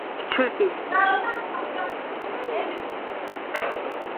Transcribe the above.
Нийгмийн гадуурхал ба архины хамаарал